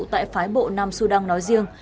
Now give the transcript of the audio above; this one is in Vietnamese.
tại phái bộ nam sudan nói riêng